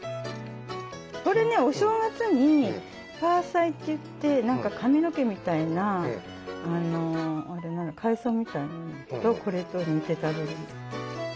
これねお正月にファーサイといって何か髪の毛みたいな海藻みたいなのとこれとを煮て食べるんです。